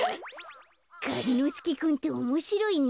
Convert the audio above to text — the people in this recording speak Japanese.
がりのすけくんっておもしろいね。